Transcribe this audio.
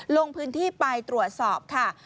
ลงพื้นที่ไปตรวจสอบค่ะ